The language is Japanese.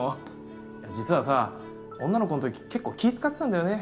実はさ女の子のとき結構気ぃ使ってたんだよね。